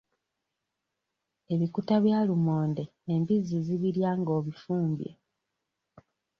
Ebikuta bya lumonde embizzi zibirya nga obifumbye.